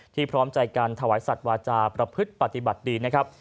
พร้อมใจการถวายสัตว์วาจาประพฤติปฏิบัติดีนะครับ